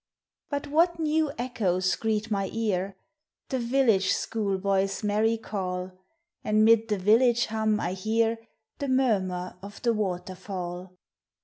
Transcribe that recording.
But what new echoes greet my ear? The village school boy's merry call; And mid the village hum I hear The murmur of the waterfall.